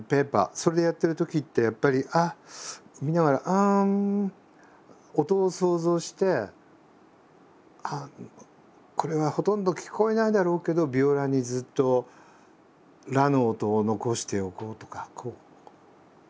それでやってるときってやっぱり見ながら音を想像してこれはほとんど聞こえないだろうけどヴィオラにずっと「ラ」の音を残しておこうとか。